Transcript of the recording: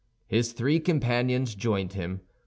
His three companions joined him.